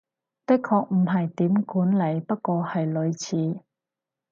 的確唔係點管理，不過係類似